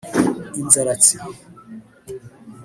Inzaratsi